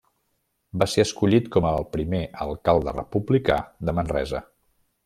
Va ser escollit com el primer alcalde republicà de Manresa.